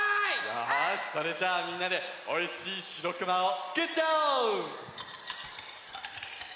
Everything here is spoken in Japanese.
よしそれじゃあみんなでおいしいしろくまをつくっちゃおう！